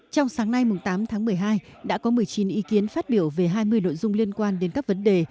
trong sáng nay tám tháng một mươi hai đã có một mươi chín ý kiến phát biểu về hai mươi nội dung liên quan đến các vấn đề